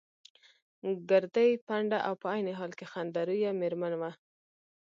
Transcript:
ګردۍ، پنډه او په عین حال کې خنده رویه مېرمن وه.